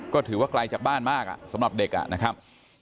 ก็ถือว่าไกลจากบ้านมากสำหรับเด็กนะครับ